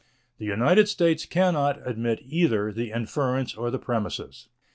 The United States can not admit either the inference or the premises.